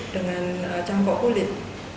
dengan cangkok kulit